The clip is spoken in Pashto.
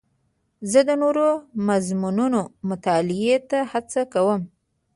زه د نوو مضمونونو مطالعې ته هڅه کوم.